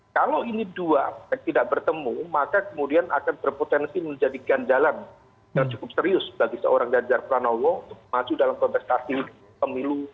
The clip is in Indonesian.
kalau ini dua aspek tidak bertemu maka kemudian akan berpotensi menjadi gandalan dan cukup serius bagi seorang ganjar pranowo untuk maju dalam kontestasi pemilu